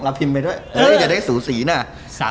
เราพิมพ์ไปด้วยจะได้สูสีหน้า